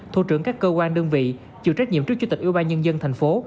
thủ trưởng các cơ quan đơn vị chịu trách nhiệm trước chủ tịch ủy ban nhân dân thành phố